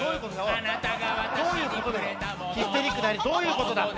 どういうことだよ？